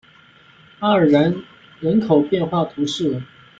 阿尔然人口变化图示